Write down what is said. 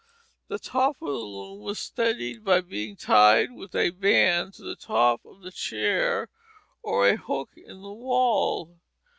The top of the loom was steadied by being tied with a band to the top of a chair, or a hook in the wall.